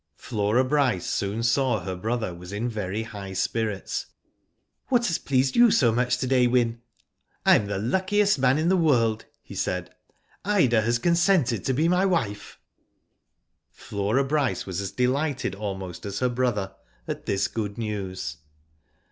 Flora Bryce soon saw her brother was in very high spirits. *'What has pleased you so much to day, Wyn?" she asked. " I am the luckiest man in the world," he said. " Ida has consented to be my wife." Flora Bryce was as delighted almost as her brother, at this good news.